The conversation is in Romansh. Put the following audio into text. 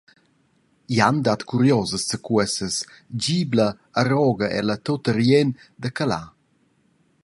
Jan dat curiosas zaccuossas, gibla e roga ella tut a riend da calar.